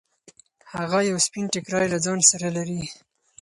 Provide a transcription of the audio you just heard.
هغه یو سپین ټیکری له ځان سره لري.